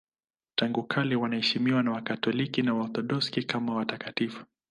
Tangu kale wanaheshimiwa na Wakatoliki na Waorthodoksi kama watakatifu.